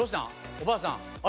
おばあさんあれ？